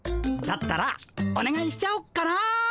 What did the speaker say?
だったらおねがいしちゃおっかな！